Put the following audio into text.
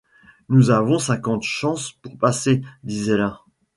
Nous avons cinquante chances pour passer, disait l’un.